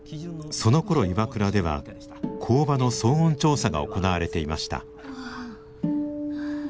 そのころＩＷＡＫＵＲＡでは工場の騒音調査が行われていました。